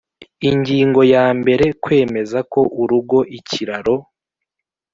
Ingingo yambere Kwemeza ko urugo ikiraro